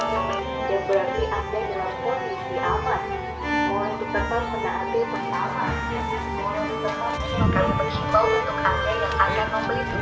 mohon tetap menaati penyala mohon tetap mengingatkan penyimbau untuk anda yang akan membeli tiket